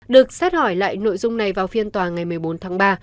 được xét hỏi lại nội dung này vào phiên tòa ngày một mươi bốn tháng ba